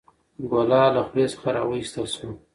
ګوله له خولې څخه راویستل شوه.